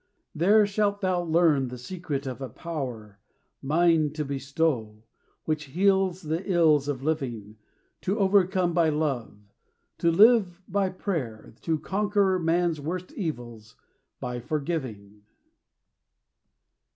"There shalt thou learn the secret of a power, Mine to bestow, which heals the ills of living; To overcome by love, to live by prayer, To conquer man's worst evils by forgiving."